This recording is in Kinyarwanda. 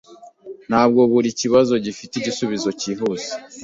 Ntabwo buri kibazo gifite igisubizo cyihuse.